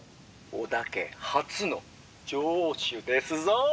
「織田家初の城主ですぞ！」。